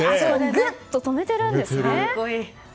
ぐっと止めてるんですよね。